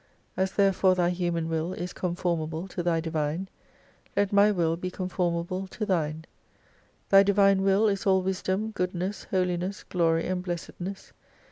As therefore Thy human will is conformable to Thy Divine ; let my will be conformable to Thine. Thy divine Will is all wisdom, goodness, holiness, glory, and blessedness.